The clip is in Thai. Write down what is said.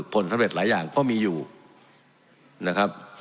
ผลสำเร็จหลายอย่างก็มีอยู่นะครับ